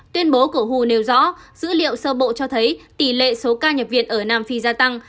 tuyên bố của hu nêu rõ dữ liệu sơ bộ cho thấy tỷ lệ số ca nhập viện ở nam phi gia tăng